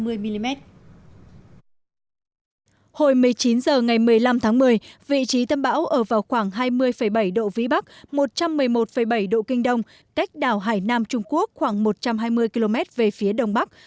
hồi một mươi chín h ngày một mươi năm tháng một mươi vị trí tâm bão ở vào khoảng hai mươi bảy độ vĩ bắc một trăm một mươi một bảy độ kinh đông cách đảo hải nam trung quốc khoảng một trăm hai mươi km về phía đông bắc